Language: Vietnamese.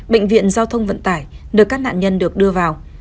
bệnh viện giao thông vận tải nơi các nạn nhân được đưa vào